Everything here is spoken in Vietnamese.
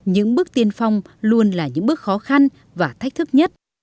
những bước tiên phong luôn là những bước khó khăn và thách thức nhất